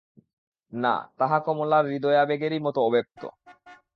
না, তাহা কমলার হৃদয়াবেগেরই মতো অব্যক্ত।